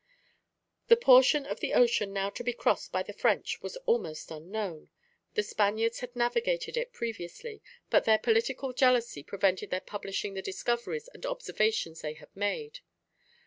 The portion of the ocean now to be crossed by the French was almost unknown. The Spaniards had navigated it previously, but their political jealousy prevented their publishing the discoveries and observations they had made.